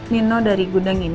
nino dari gudang ini